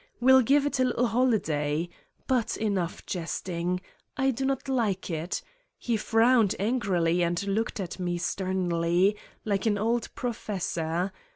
We will give it a little holiday. But enough jesting. I do not like it!" He frowned angrily and looked at me sternly, like an old pro fessor